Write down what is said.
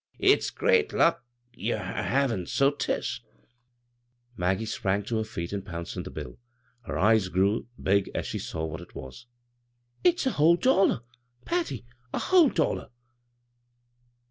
" If s great luck yer a havin' — so 'tisl" Maggie sprang to her feet and pounced on the bill. Her eyes grew big as she saw what it was. " It's a whole dollar, Patty — a wAaie dollar